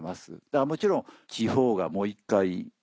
だからもちろん地方がもう１回